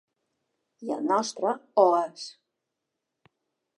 I el nostre ho és.